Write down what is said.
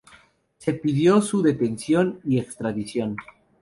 Se pidió su detención y extradición.